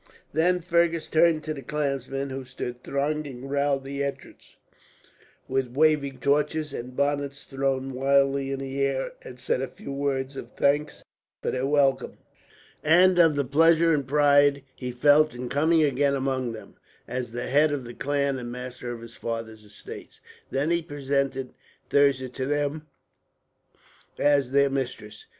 Then Fergus turned to the clansmen, who stood thronging round the entrance, with waving torches and bonnets thrown wildly in the air; and said a few words of thanks for their welcome, and of the pleasure and pride he felt in coming again among them, as the head of the clan and master of his father's estates. Then he presented Thirza to them as their mistress.